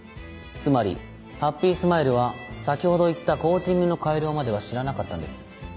つまりハッピースマイルは先ほど言ったコーティングの改良までは知らなかったんです。